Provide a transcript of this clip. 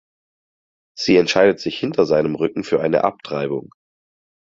Sie entscheidet sich hinter seinen Rücken für eine Abtreibung.